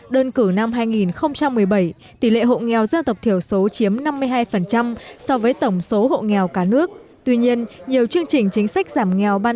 đơn cử năm hai nghìn một mươi bảy tỷ lệ hộ nghèo dân tộc thiểu số chiếm năm mươi